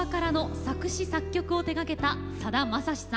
作詞・作曲を手がけたさだまさしさん